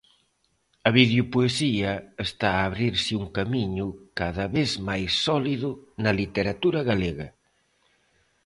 A videopoesía está a abrirse un camiño cada vez máis sólido na literatura galega.